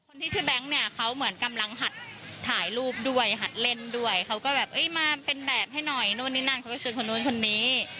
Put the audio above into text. คนที่ชื่อแบงค์เนี่ยเขาเหมือนกำลังหัดถ่ายรูปด้วยหัดเล่นด้วยเขาก็แบบเอ้ยมาเป็นแบบให้หน่อยนู่นนี่นั่นเขาไปช่วยคนนู้นคนนี้